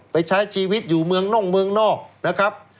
ใช้ชีวิตอยู่เมืองน่องเมืองนอกนะครับ